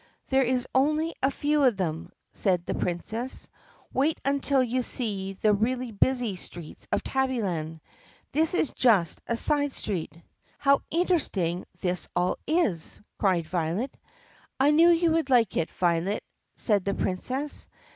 This is only a few of them," said the Princess. "Wait until you see the really busy streets of Tabbyland. This is just a side street." "How interesting this all is!" cried Violet. "I knew you would like it, Violet," said the Princess.